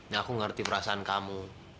aku ngerti perasaan kamu